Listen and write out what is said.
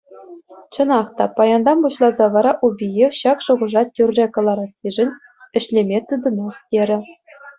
Чӑнах та, паянтан пуҫласа вара Убиев ҫак шухӑша тӳрре кӑларассишӗн ӗҫлеме тытӑнас терӗ.